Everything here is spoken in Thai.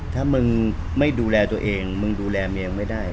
ถ้ามึงไม่ดูแลตัวเองมึงดูแลเมียไม่ได้